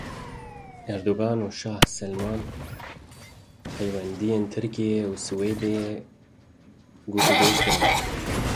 Erdogan û Şah Selman peywendiyên Tirkiye û Siûdiyê gotûbêj kirin.